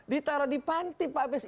ditaruh di panti pak habis